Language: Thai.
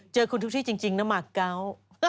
เจอคุณทุกชี่จริงนะหมากเกาะ